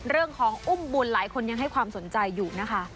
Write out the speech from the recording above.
เรื่องของอุ้มบุญหลายคนยังให้ความสนใจอยู่นะคะ